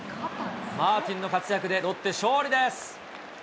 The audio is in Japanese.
マーティンの活躍で、ロッテ、勝利です。